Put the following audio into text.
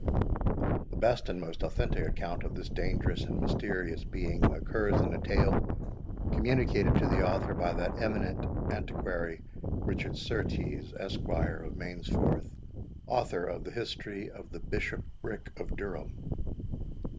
The best and most authentic account of this dangerous and mysterious being occurs in a tale communicated to the author by that eminent antiquary, Richard Surtees, Esq. of Mainsforth, author of the HISTORY OF THE BISHOPRIC OF DURHAM.